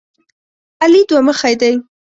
علي دوه مخی دی.